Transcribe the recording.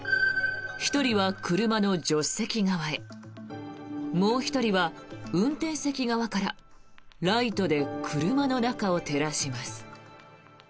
１人は車の助手席側へもう１人は運転席側からライトで車の中を照らします。